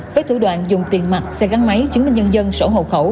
với thủ đoạn dùng tiền mặt xe gắn máy chứng minh nhân dân sổ hộ khẩu